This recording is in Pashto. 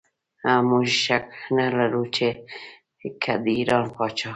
موږ شک نه لرو چې که د ایران پاچا.